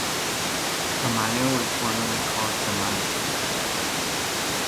Amaya was formerly called Tamaya.